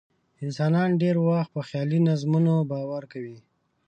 انسانان ډېری وخت په خیالي نظمونو باور کوي.